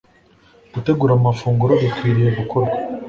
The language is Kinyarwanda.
Gutegura amafunguro bikwiriye gukorwa